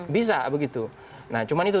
bisa begitu nah cuman itu